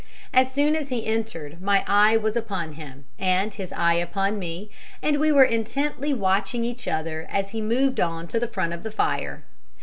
As soon as he entered my eye was upon him, and his eye upon me, and we were intently watching each other as he moved on to the front of the fire.